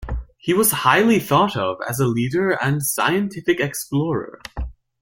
He was highly thought of as a leader and scientific explorer.